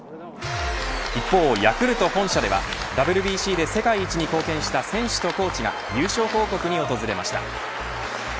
一方、ヤクルト本社ではＷＢＣで世界一に貢献した選手とコーチが優勝報告に訪れました。